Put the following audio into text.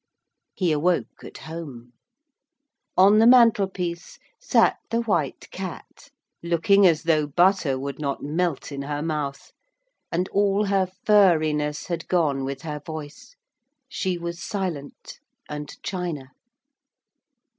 He awoke at home. On the mantelpiece sat the White Cat, looking as though butter would not melt in her mouth. And all her furriness had gone with her voice. She was silent and china.